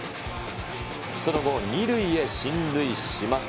その後、２塁へ進塁します。